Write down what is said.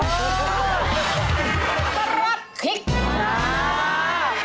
กระดาษคลิก